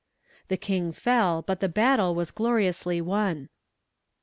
The King fell, but the battle was gloriously won.